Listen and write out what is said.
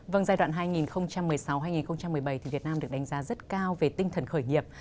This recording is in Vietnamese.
vâng giai đoạn hai nghìn một mươi sáu hai nghìn một mươi bảy thì việt nam được đánh giá rất cao về tinh thần khởi nghiệp